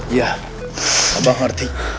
iya abah ngerti